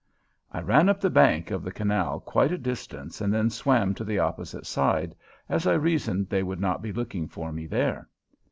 I ran up the bank of the canal quite a distance and then swam to the opposite side, as I reasoned they would not be looking for me there.